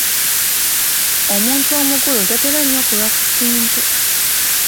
Omuntu omukulu tatera nnyo kulwa ku kintu.